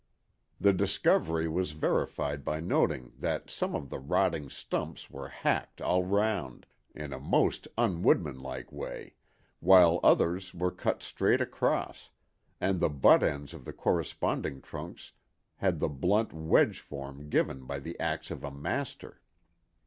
The discovery was verified by noting that some of the rotting stumps were hacked all round, in a most unwoodmanlike way, while others were cut straight across, and the butt ends of the corresponding trunks had the blunt wedge form given by the axe of a master.